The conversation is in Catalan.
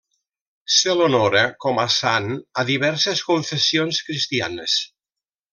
Se l'honora com a sant a diverses confessions cristianes.